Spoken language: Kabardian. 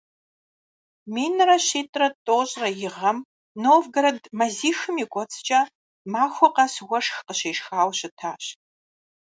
Минрэ щитӏрэ тӏощӏрэ и гъэм Новгород мазихым и кӏуэцӏкӏэ махуэ къэс уэшх къыщешхауэ щытащ.